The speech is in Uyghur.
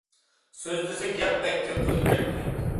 سۆزلىسە گەپ بەك كۆپ بولۇپ كەتكۈدەك.